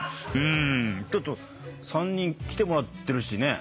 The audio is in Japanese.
ちょっと３人来てもらってるしね。